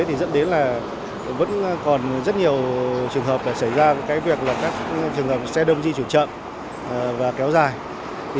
dẫn đến là vẫn còn rất nhiều trường hợp xảy ra các trường hợp xe đông di chuyển chậm và kéo dài